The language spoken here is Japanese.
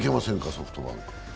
ソフトバンク。